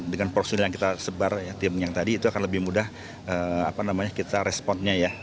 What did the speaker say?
dengan prosedur yang kita sebar tim yang tadi itu akan lebih mudah kita responnya ya